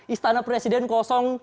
istana presiden kosong